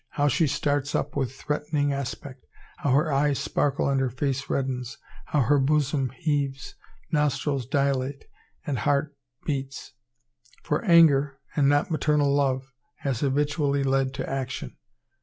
how she starts up with threatening aspect, how her eyes sparkle and her face reddens, how her bosom heaves, nostrils dilate, and heart beats; for anger, and not maternal love, has habitually led to action.